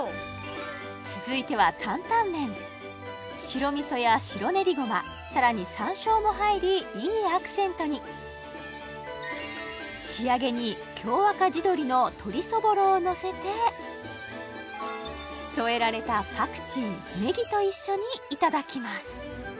続いては担々麺白味噌や白練ごまさらに山椒も入りいいアクセントに仕上げにをのせて添えられたパクチーネギと一緒にいただきます